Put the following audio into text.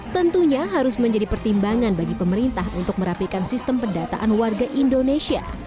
tentunya harus menjadi pertimbangan bagi pemerintah untuk merapikan sistem pendataan warga indonesia